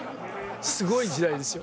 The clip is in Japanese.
すごい時代ですよ。